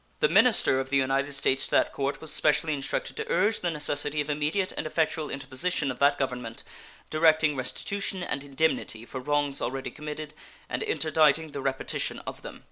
The minister of the United States to that court was specially instructed to urge the necessity of immediate and effectual interposition of that Government, directing restitution and indemnity for wrongs already committed and interdicting the repetition of them.